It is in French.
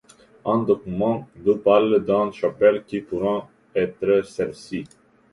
Un document du parle d'une chapelle qui pourrait être celle-ci.